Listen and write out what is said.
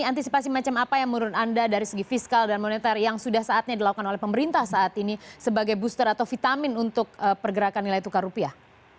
antisipasi macam apa yang menurut anda dari segi fiskal dan moneter yang sudah saatnya dilakukan oleh pemerintah saat ini sebagai booster atau vitamin untuk pergerakan nilai tukar rupiah